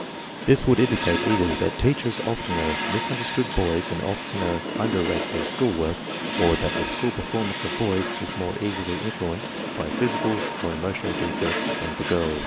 This would indicate either that teachers oftener misunderstood boys and of tener under rate their school work, or that the school performance of boys is more easily influenced by physical or emo tional defects than that of girls.